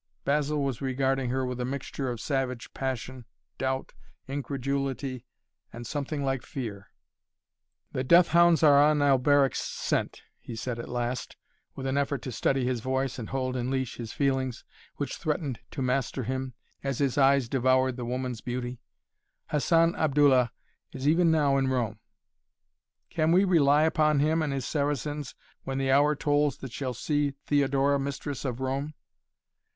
Basil was regarding her with a mixture of savage passion, doubt, incredulity and something like fear. "The death hounds are on Alberic's scent," he said at last, with an effort to steady his voice, and hold in leash his feelings, which threatened to master him, as his eyes devoured the woman's beauty. "Hassan Abdullah is even now in Rome." "Can we rely upon him and his Saracens when the hour tolls that shall see Theodora mistress of Rome?"